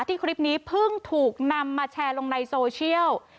ที่คลิปนี้เพิ่งถูกนำมาแชร์ลงในโซเชียล